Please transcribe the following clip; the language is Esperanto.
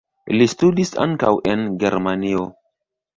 Li studis ankaŭ en Germanio.